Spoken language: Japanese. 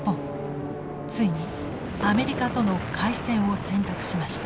ついにアメリカとの開戦を選択しました。